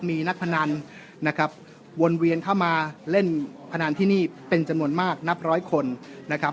มีนักพนันนะครับวนเวียนเข้ามาเล่นพนันที่นี่เป็นจำนวนมากนับร้อยคนนะครับ